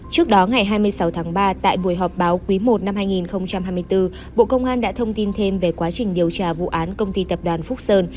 trước đó ngày hai mươi sáu tháng ba tại buổi họp báo quý i năm hai nghìn hai mươi bốn bộ công an đã thông tin thêm về quá trình điều tra vụ án công ty tập đoàn phúc sơn